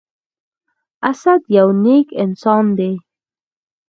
اسد يو نیک انسان دی.